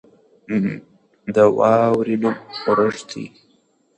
د واورې نوم اورښت دی.